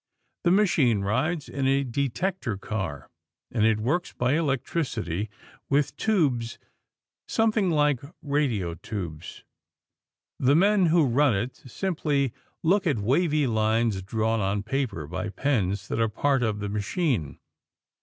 The machine rides in a detector car, and it works by electricity with tubes something like radio tubes. The men who run it simply look at wavy lines drawn on paper by pens that are part of the machine.